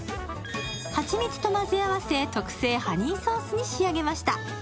蜂蜜と混ぜ合わせ、特製ハニーソースに仕上げました。